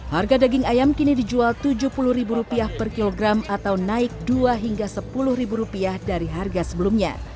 harga daging ayam kini dijual rp tujuh puluh per kilogram atau naik rp dua hingga rp sepuluh dari harga sebelumnya